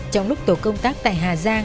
trong lúc tổ công tác tại hà giang